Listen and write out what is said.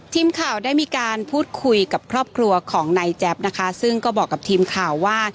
ทีมข่าวได้มีการพูดคุยกับครอบครัวของนายแจ๊บนะคะซึ่งก็บอกกับทีมข่าวว่า